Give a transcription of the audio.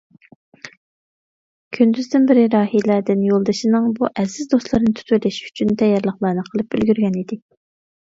كۈندۈزدىن بېرى راھىلەدىن يولدىشىنىڭ بۇ ئەزىز دوستلىرىنى تۇتۇۋېلىش ئۈچۈن تەييارلىقلارنى قىلىپ ئۈلگۈرگەن ئىدى.